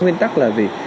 nguyên tắc là gì